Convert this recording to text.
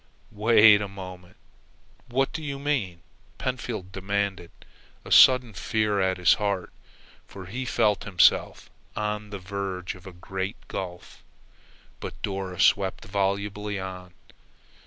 "Wait a moment! What do you mean?" Pentfield demanded, a sudden fear at his heart, for he felt himself on the verge of a great gulf. But Dora swept volubly on.